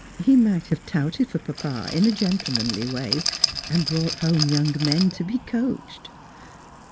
He might have touted for papa in a gentle manly way, and brought home young men to be coached."